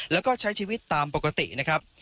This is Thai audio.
แล้วก็ใช้ชีวิตตามปกตินะครับ